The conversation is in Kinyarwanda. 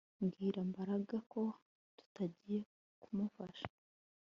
Bwira Mbaraga ko tutagiye kumufasha